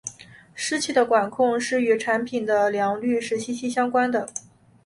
湿气的管控是与产品的良率是息息相关的。